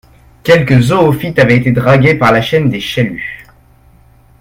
Quelques zoophytes avaient été dragués par la chaîne des chaluts.